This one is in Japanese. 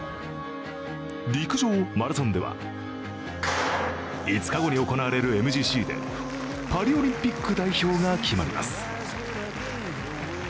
陸上マラソンでは、５日後に行われるＭＧＣでパリオリンピック代表が決まります。